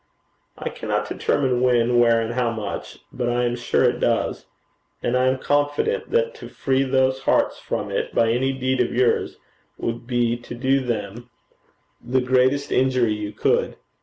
'I cannot determine when, where, and how much; but I am sure it does. And I am confident that to free those hearts from it by any deed of yours would be to do them the greatest injury you could.